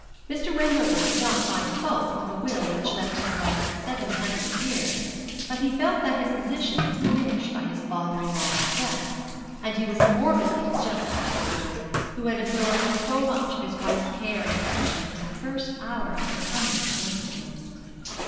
Mr. Wendover could not find fault with a will which left his wife seven hundred a year; but he felt that his position was diminished by his father in law's death, and he was morbidly jealous of the boy, who had absorbed so much of his wife's care and affection from the first hour of their coming to Wimperfield.